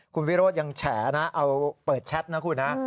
คุณวิโรธยังแฉนะเอาเปิดแชทนะคุณนะ